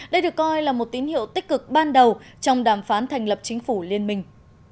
đây được coi là một tín hiệu tích cực ban đầu trong đàm phán thành lập chính phủ liên minh